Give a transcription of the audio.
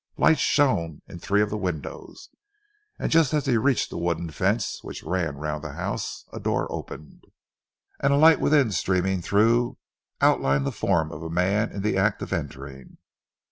Lights shone in three of the windows, and just as he reached the wooden fence which ran round the house, a door opened, and a light within streaming through outlined the form of a man in the act of entering.